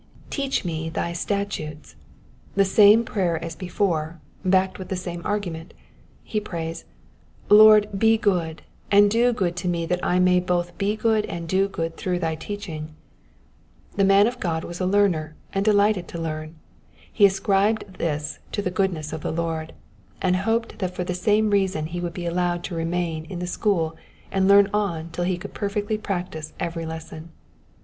'•''Teach me thy statutes,'''^ The same prayer as before, backed with the same argument. He prays, ^* Lord be good, and do good to me that I may both be good and do good through thy teaching.'* The man of God was a learner, and delighted to learn : he ascribed this to the goodness of the Lord, and hoped that for the same reason ho would be allowed to remain in the school and learn on till he could perfectly practise every lesson.